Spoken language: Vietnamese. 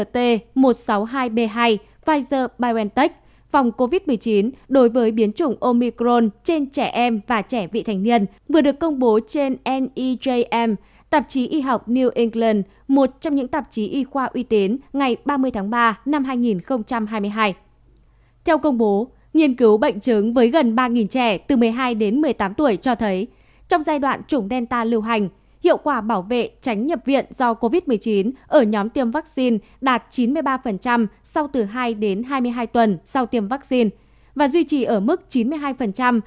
tổn thương phổi hậu covid một mươi chín diễn ra âm thầm